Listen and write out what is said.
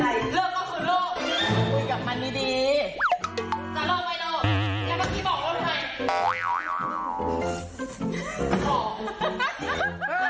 จะเลิกไหมเลิกอย่างเมื่อกี้บอกแล้วทำไม